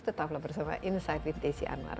tetaplah bersama insight with desi anwar